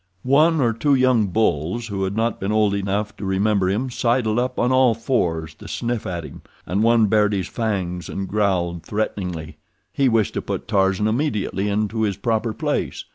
One or two young bulls who had not been old enough to remember him sidled up on all fours to sniff at him, and one bared his fangs and growled threateningly—he wished to put Tarzan immediately into his proper place.